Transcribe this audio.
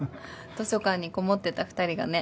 図書館に籠もってた２人がね。